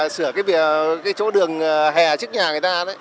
sửa cái chỗ đường hè trước nhà người ta